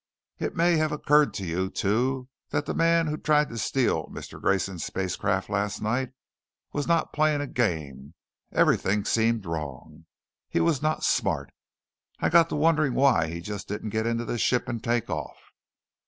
"It may have occurred to you, too, that the man who tried to steal Mister Grayson's spacecraft last night was not playing a game. Everything seemed wrong. He was not smart. I got to wondering why he just didn't get into the ship and take off.